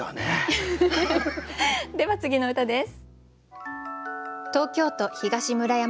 では次の歌です。